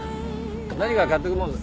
何か買ってくもん。